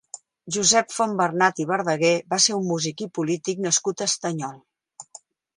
Josep Fontbernat i Verdaguer va ser un músic i polític nascut a Estanyol.